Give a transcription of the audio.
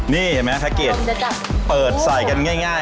นี่เห็นไหมแขกเกียจเปิดใส่กันง่าย